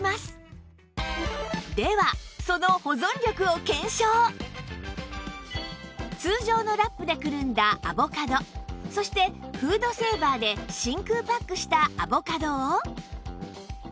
ではその通常のラップでくるんだアボカドそしてフードセーバーで真空パックしたアボカドを